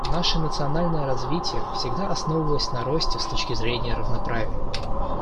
Наше национальное развитие всегда основывалось на росте с точки зрения равноправия.